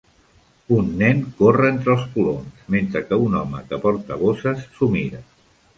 Un nen corre entre els coloms, mentre que un home que porta bosses s'ho mira.